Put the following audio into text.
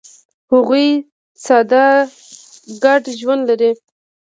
هغوی ساده ګډ ژوند لري.